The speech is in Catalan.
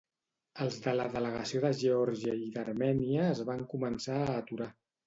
Els de la delegació de Geòrgia i d'Armènia es van començar a aturar.